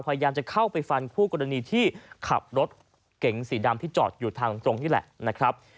พยายามจะเข้าไปฟันคู่กรณีที่ขับรถเก๋งสีดำที่จอดอยู่ทางตรงนี่แหละนะครับ